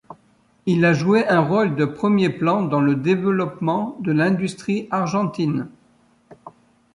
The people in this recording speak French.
Il a joué un rôle de premier plan dans le développement de l'industrie argentine.